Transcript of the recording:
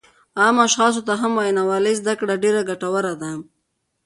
عامو اشخاصو ته هم د وینا والۍ زده کړه ډېره ګټوره ده